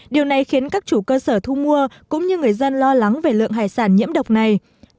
điều này khiến các chủ cơ sở thu mua cũng như người dân lo lắng về lượng hải sản nhiễm độc này